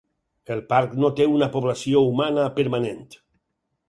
El parc no té una població humana permanent.